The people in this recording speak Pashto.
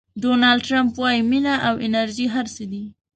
ډونالډ ټرمپ وایي مینه او انرژي هر څه دي.